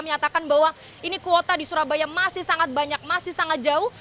menyatakan bahwa ini kuota di surabaya masih sangat banyak masih sangat jauh